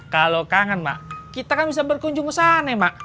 kalau kangen mak kita kan bisa berkunjung ke sana mak